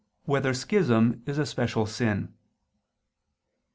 1] Whether Schism Is a Special Sin?